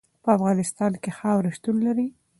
په افغانستان کې خاوره شتون لري.